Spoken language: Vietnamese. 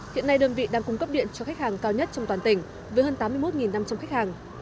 hiện nay đơn vị đang cung cấp điện cho khách hàng cao nhất trong toàn tỉnh với hơn tám mươi một năm trăm linh khách hàng